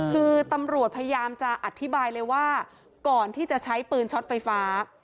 คือตำรวจพยายามจะอธิบายเลยว่าก่อนที่จะใช้ปืนช็อตไฟฟ้า